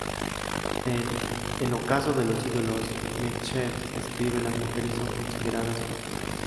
En "El ocaso de los ídolos", Nietzsche escribe ""Las mujeres son consideradas profundas.